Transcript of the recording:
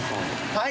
はい。